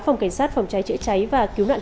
phòng cảnh sát phòng cháy chữa cháy và cứu nạn